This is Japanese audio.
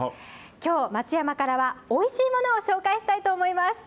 きょう、松山からはおいしいものを紹介したいと思います。